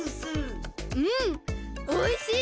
うんおいしい！